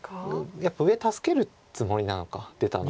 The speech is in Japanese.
やっぱり上助けるつもりなのか出たのは。